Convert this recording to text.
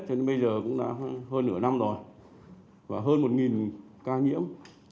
cho nên bây giờ cũng đã hơn nửa năm rồi và hơn một ca nhiễm